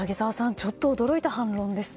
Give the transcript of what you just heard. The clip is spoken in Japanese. ちょっと驚いた反論ですね。